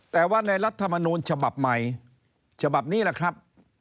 แต่ว่าในรัฐมนูลฉบับใหม่ฉบับนี้แหละครับ